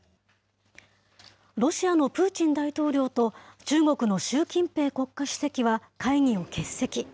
ロシアのプーチン大統領と中国の習近平国家主席は会議を欠席。